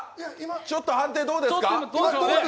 ちょっと判定どうですか？